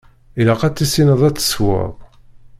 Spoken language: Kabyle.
Ilaq ad tissineḍ ad tessewweḍ.